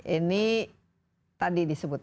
ini tadi disebut